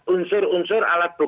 unsur unsur alat alat yang berbeda ya